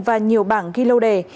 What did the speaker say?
và nhiều bảng ghi lô đề